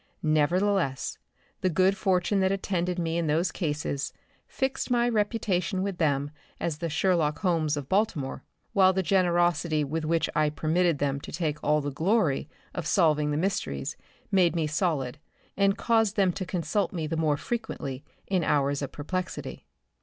Nevertheless, the good fortune that attended me in those cases fixed my reputation with them as the Sherlock Holmes of Baltimore, while the generosity with which I permitted them to take all the glory of solving the mysteries made me solid and caused them to consult me the more frequently in hours of perplexity.